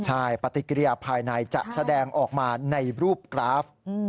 ใช่ปฏิกิริยาภายในจะแสดงออกมาในรูปกราฟ